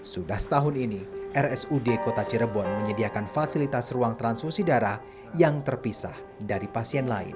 sudah setahun ini rsud kota cirebon menyediakan fasilitas ruang transfusi darah yang terpisah dari pasien lain